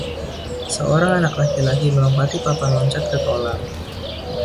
Seorang anak laki-laki melompati papan loncat ke kolam.